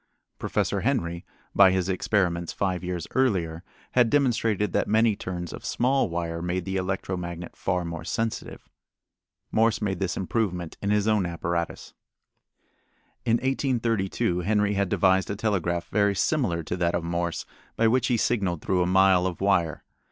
Professor Henry, by his experiments five years earlier, had demonstrated that many turns of small wire made the electro magnet far more sensitive. Morse made this improvement in his own apparatus. In 1832 Henry had devised a telegraph very similar to that of Morse by which he signaled through a mile of wire.